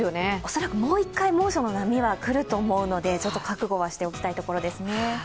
恐らく、もう一回猛暑の波は来ると思うのでちょっと覚悟はしておきたいところですね。